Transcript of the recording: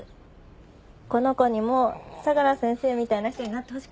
この子にも相良先生みたいな人になってほしくて。